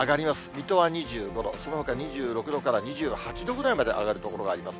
水戸は２５度、そのほか２６度から２８度ぐらいまで上がる所があります。